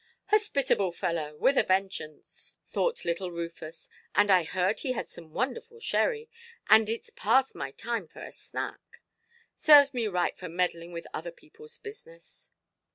"Hospitable fellow, with a vengeance"! thought little Rufus. "And I heard he had some wonderful sherry, and itʼs past my time for a snack. Serves me right for meddling with other peopleʼs business".